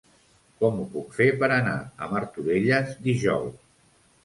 Com ho puc fer per anar a Martorelles dijous?